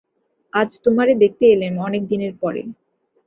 আজ তোমারে দেখতে এলেম অনেক দিনের পরে।